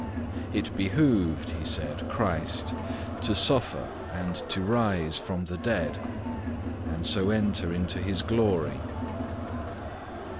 It behooved, He said, Christ to suffer and to rise from the dead, and so enter into his glory.